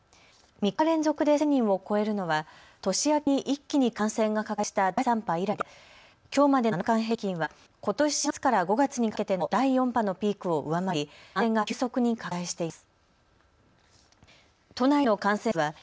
３日連続で１０００人を超えるのは年明けに一気に感染が拡大した第３波以来できょうまでの７日間平均はことし４月から５月にかけての第４波のピークを上回り感染が急速に拡大しています。